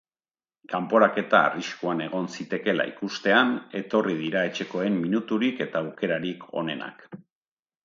Kanporaketa arriskuan egon zitekeela ikustean etorri dira etxekoen minuturik eta aukerarik onenak.